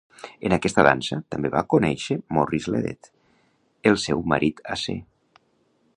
En aquesta dansa, també va conèixer Morris Ledet, el seu marit a ser.